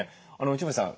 内堀さん